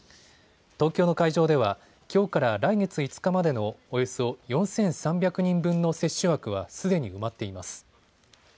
東京の会場では、きょうから来月５日までのおよそ４３００人分の接種枠はすでに埋まっています。